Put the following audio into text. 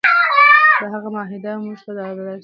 دا معاهده موږ ته دا درس راکوي.